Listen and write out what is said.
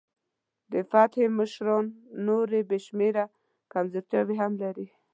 د فتح مشران نورې بې شمېره کمزورتیاوې هم لري.